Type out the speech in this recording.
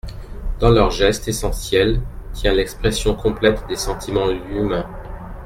Dans leurs gestes essentiels tient l'expression complète des sentiments humains.